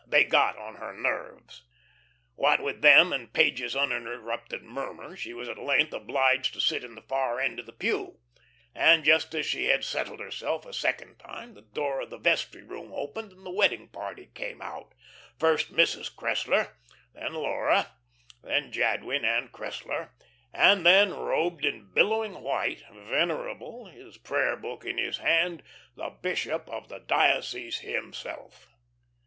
They "got on her nerves." What with them and Page's uninterrupted murmur, she was at length obliged to sit in the far end of the pew, and just as she had settled herself a second time the door of the vestry room opened and the wedding party came out; first Mrs. Cressler, then Laura, then Jadwin and Cressler, and then, robed in billowing white, venerable, his prayer book in his hand, the bishop of the diocese himself.